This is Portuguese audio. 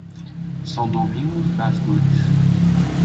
São Domingos das Dores